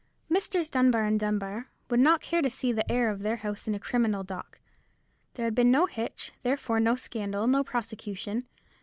Messrs. Dunbar and Dunbar would not care to see the heir of their house in a criminal dock. There had been no hitch, therefore, no scandal, no prosecution.